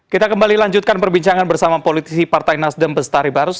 kita kembali lanjutkan perbincangan bersama politisi partai nasdem bestari barus